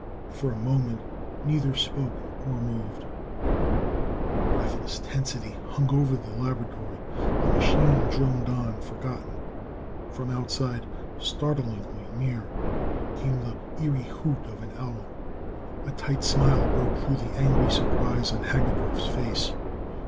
For a moment neither spoke or moved. A breathless tensity hung over the laboratory. The machine droned on, forgotten. From outside, startlingly near, came the eery hoot of an owl. A tight smile broke through the angry surprise on Hagendorff's face.